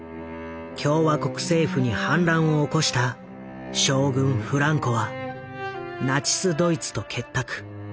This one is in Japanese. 共和国政府に反乱を起こした将軍フランコはナチスドイツと結託。